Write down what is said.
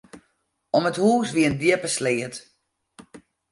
Om it hús wie in djippe sleat.